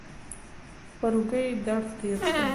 پر اوږه یې درد تېر شو.